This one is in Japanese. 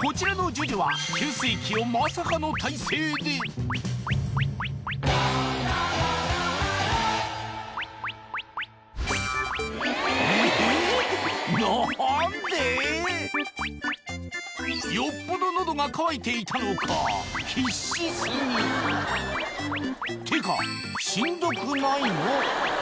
こちらのじゅじゅは給水器をまさかの体勢でよっぽど喉が渇いていたのか必死すぎてかしんどくないの？